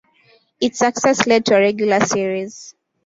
Its success led to a regular series.